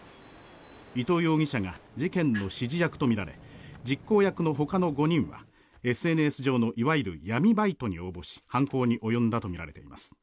伊藤容疑者が事件の指示役とみられ実行役のほかの５人はＳＮＳ上のいわゆる闇バイトに応募し犯行に及んだとみられています。